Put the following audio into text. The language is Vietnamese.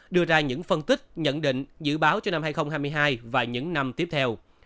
đưa ra những phân tích nhận định dự báo cho năm hai nghìn hai mươi hai và những năm tiếp theo